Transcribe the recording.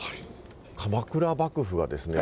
鎌倉幕府がですね